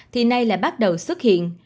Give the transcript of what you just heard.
thì nay lại bắt đầu xuất hiện